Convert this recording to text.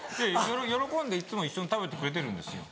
喜んでいっつも一緒に食べてくれてるんですよ。